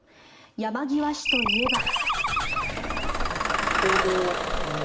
山際氏といえば。